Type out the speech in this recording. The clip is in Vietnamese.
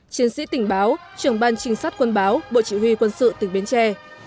chiến sĩ tỉnh báo trưởng ban trinh sát quân báo bộ chỉ huy quân sự tỉnh bến tre